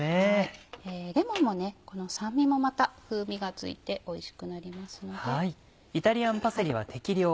レモンも酸味もまた風味がついておいしくなりますので。